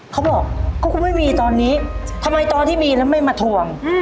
เขาบอกก็คงไม่มีตอนนี้ทำไมตอนที่มีแล้วไม่มาทวง